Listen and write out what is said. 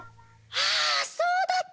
ああそうだった！